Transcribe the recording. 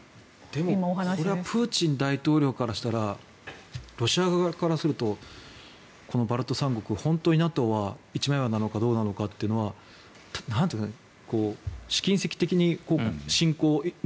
でもプーチン大統領からしたらロシア側からするとバルト三国、本当にＮＡＴＯは一枚岩なのかどうなのかというのは試金石的に侵攻。